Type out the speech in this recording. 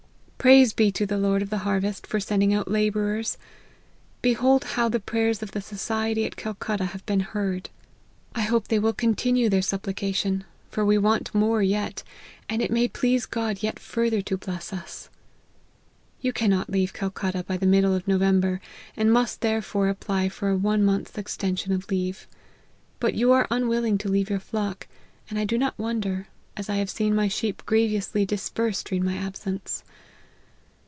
Praise be to the Lord of the harvest, for sending out labourers ! Behold how the prayers of the society at Calcutta have been heard. I hope they will continue their supplioa 118 LIFE OF HENRY MARTYR. tion ; for we want more yet, and it may please God yet further to bless us. You cannot leave Calcutta by the middle of November, and must therefore apply for one month's extension of leave. But you are unwilling to leave your flock ; and I do not wonder, as I have seen my sheep grievously dis persed during my absence.